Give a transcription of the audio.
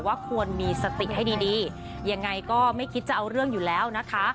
ควรมีสติให้ดีดียังไงก็ไม่คิดจะเอาเรื่องอยู่แล้วนะคะ